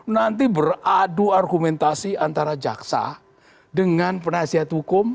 nanti beradu argumentasi antara jaksa dengan penasihat hukum